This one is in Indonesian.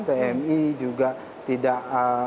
tmi juga tidak